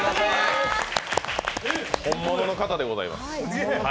本物の方でございます。